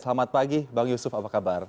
selamat pagi bang yusuf apa kabar